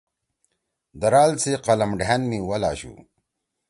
درال سی قلم ڈھأن می ول آشُو۔